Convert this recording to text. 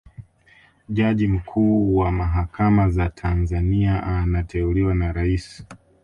jaji mkuu wa mahakama za tanzania anateuliwa na rais